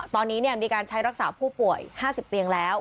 ตอนนี้มีการใช้รักษาผู้ป่วย๕๐เตียงแล้ว